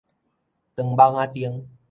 張蠓仔燈